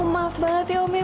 maaf banget ya om ya